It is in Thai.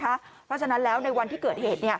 เพราะฉะนั้นแล้วในวันที่เกิดเหตุ